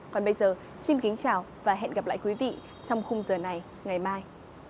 còn bây giờ xin kính chào và hẹn gặp lại quý vị trong khung giờ này ngày mai